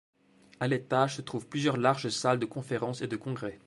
À l’étage se trouvent plusieurs larges salles de conférences et de congrès.